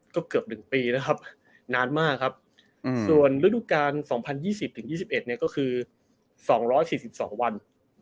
ก็เกือบหนึ่งปีนะครับนานมากครับส่วนฤดุการณ์สองพันยี่สิบถึงยี่สิบเอ็ดเนี้ยก็คือสองร้อยสี่สิบสองวัน